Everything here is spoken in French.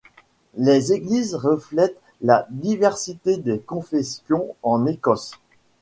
Les églises reflètent la diversité des confessions en Écosse.